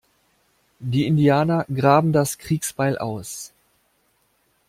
Die Indianer graben das Kriegsbeil aus.